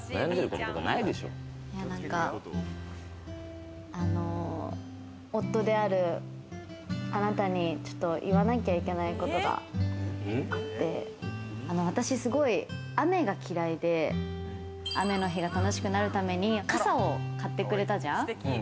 なんか、夫である、あなたにちょっと言わなきゃいけないことがあって、私、すごい雨がきらいで雨の日が楽しくなるために傘を買ってくれたじゃん。